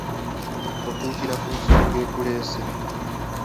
Otuukira ku nsonga ekuleese.